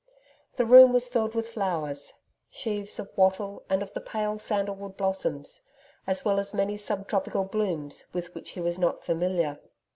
The room was filled with flowers sheaves of wattle and of the pale sandal wood blossoms, as well as many sub tropical blooms with which he was not familiar.